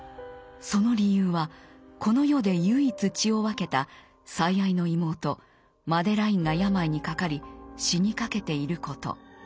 その理由はこの世で唯一血を分けた最愛の妹マデラインが病にかかり死にかけていること。